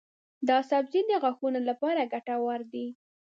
دا سبزی د غاښونو لپاره ګټور دی.